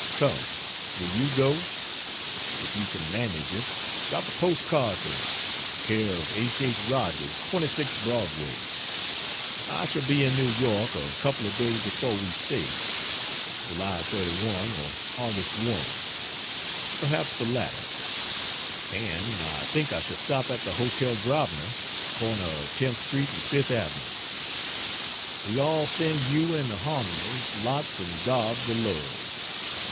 Come will you go? If you can manage it, drop a post card to me c/o H.H. Rogers, 26 Broadway. I shall be in New York a couple of days before we sail July 31 or Aug. 1, perhaps the latter, and I think I shall stop at the Hotel Grosvenor, cor. 10th St and 5th ave. We all send you and the Harmonies lots and gobs of love.